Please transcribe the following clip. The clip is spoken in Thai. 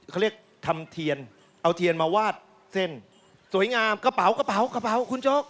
เขาเรียกทำเทียนเอาเทียนมาวาดเส้นสวยงามกระเป๋ากระเป๋ากระเป๋าคุณโจ๊ก